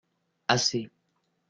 assez.